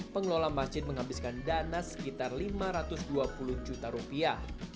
pengelola masjid menghabiskan dana sekitar lima ratus dua puluh juta rupiah